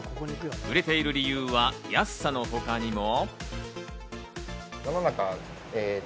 売れている理由は安さの他にも。